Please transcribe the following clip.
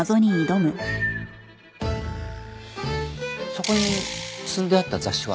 そこに積んであった雑誌は？